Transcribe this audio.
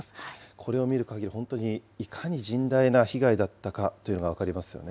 これを見るかぎり、本当にいかに甚大な被害だったかというのが分かりますよね。